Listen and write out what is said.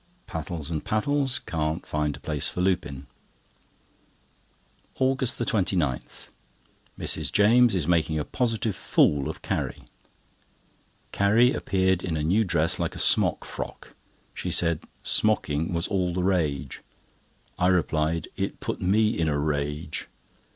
Pattles and Pattles can't find a place for Lupin. AUGUST 29.—Mrs. James is making a positive fool of Carrie. Carrie appeared in a new dress like a smock frock. She said "smocking" was all the rage. I replied it put me in a rage.